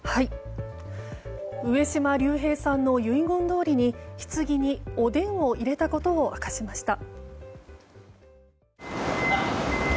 上島竜兵さんの遺言どおりにひつぎにおでんを入れたことを明かしました。